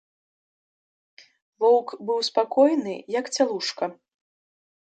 Воўк быў спакойны, як цялушка.